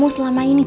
untuk selama ini